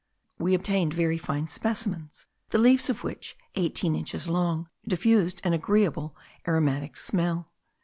We obtained very fine specimens, the leaves of which, eighteen inches long, diffused an agreeable aromatic smell.